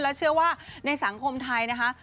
และเชื่อว่าในสังคมไทยนะคะ